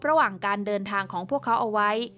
ระหว่างการเดินทางของพวกเขาเอาไว้